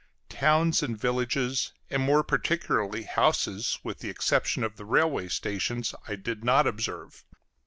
Towns and villages, and more particularly houses, with the exception of the railway stations, I did not observe.